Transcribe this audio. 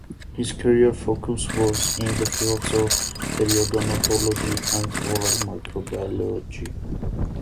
His career focus was in the fields of Periodontology and oral microbiology.